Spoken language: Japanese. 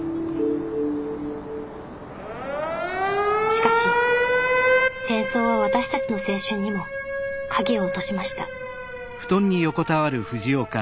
しかし戦争は私たちの青春にも影を落としました藤岡君